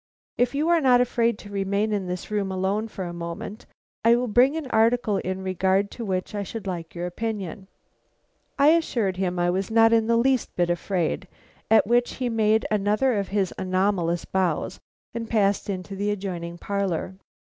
If you are not afraid to remain in this room alone for a moment, I will bring an article in regard to which I should like your opinion." I assured him I was not in the least bit afraid, at which he made me another of his anomalous bows and passed into the adjoining parlor.